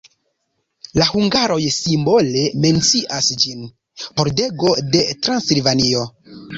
La hungaroj simbole mencias ĝin: "Pordego de Transilvanio".